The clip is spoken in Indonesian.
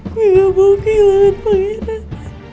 gue gak mau kehilangan pangeran